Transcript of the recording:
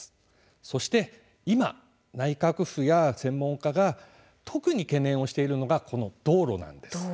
そして今、内閣府や専門家が特に懸念をしているのがこの道路なんです。